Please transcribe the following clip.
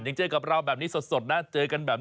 ยังเจอกับเราแบบนี้สดนะ